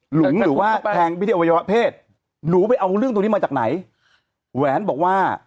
หลุงหรือว่าแทงไปที่อวัยวะเพศหนูไปเอาเรื่องตรงนี้มาจากไหนแหวนบอกว่า